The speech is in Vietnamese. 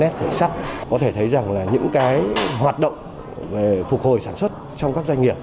s khởi sắc có thể thấy rằng là những cái hoạt động về phục hồi sản xuất trong các doanh nghiệp